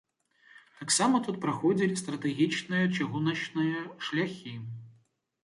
Таксама тут праходзілі стратэгічныя чыгуначныя шляхі.